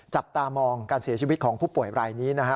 จับตามองการเสียชีวิตของผู้ป่วยรายนี้นะฮะ